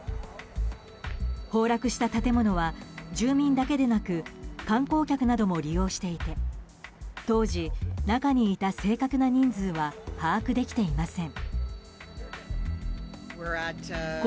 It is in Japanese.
崩落した建物は住民だけでなく観光客なども利用していて当時、中にいた正確な人数は把握できていません。